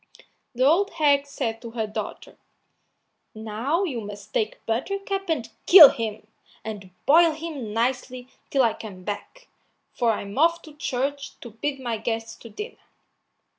So the old hag said to her daughter: "Now you must take Buttercup and kill him, and boil him nicely till I come back, for I'm off to church to bid my guests to dinner."